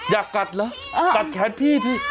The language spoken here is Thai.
อยากกัดเหรอกัดแขนพี่พี่